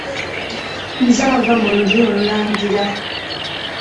Nze ava mu lulyo olulangira.